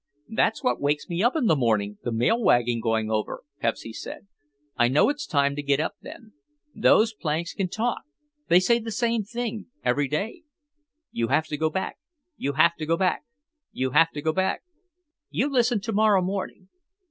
"That's what wakes me up in the morning, the mail wagon going over," Pepsy said; "I know it's time to get up then. Those planks can talk, they say the same thing every day. You have to go back, You have to go back, You have to go back. You listen to morrow morning."